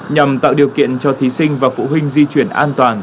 nhằm tạo điều kiện cho thí sinh và phụ huynh di chuyển an toàn